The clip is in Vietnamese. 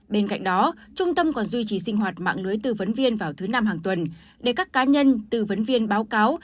bên cạnh đó trung tâm còn duy trì sinh hoạt mạng lưới tư vấn viên vào thứ năm hàng tuần để các cá nhân tư vấn viên báo cáo